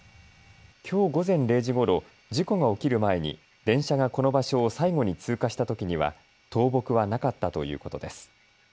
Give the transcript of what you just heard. きょう午前０時ごろ、事故が起きる前に電車がこの場所を最後に通過したときには倒木はなかったということです。